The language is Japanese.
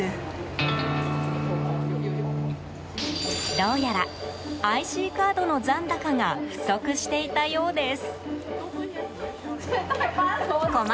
どうやらＩＣカードの残高が不足していたようです。